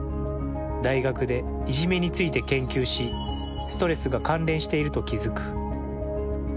大学でいじめについて研究しストレスが関連していると気づく。